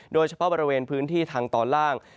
โดยเฉพาะบริเวณพื้นที่ทางตอนล่าง